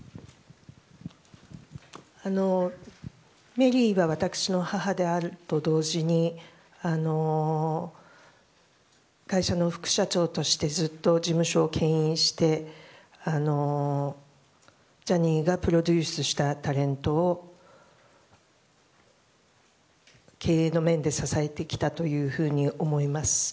メリーは私の母であると同時に会社の副社長としてずっと事務所を牽引してジャニーがプロデュースしたタレントを経営の面で支えてきたというふうに思います。